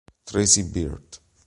Tracy Byrd